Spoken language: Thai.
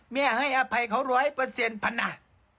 แม่ให้อภัยเขา๑๐๐เปอร์เซ็นต์พัน่า